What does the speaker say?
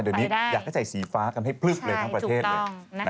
เดี๋ยวนี้อยากให้ใส่สีฟ้ากันให้พลึบเลยทั้งประเทศเลย